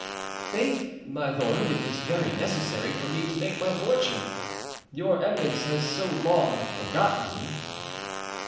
"Faith, my lord, it is very necessary for me to make my fortune, your eminence has so long forgotten me."